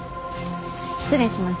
失礼します。